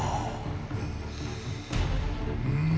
うん！